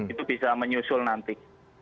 itu bisa menyusul nanti